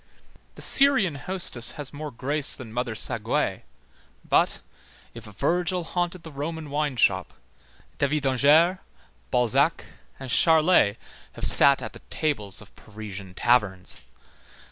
The Syrian hostess has more grace than Mother Saguet, but, if Virgil haunted the Roman wine shop, David d'Angers, Balzac and Charlet have sat at the tables of Parisian taverns.